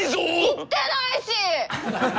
言ってないし！